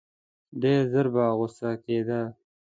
ډېر ژر په غوسه کېدی.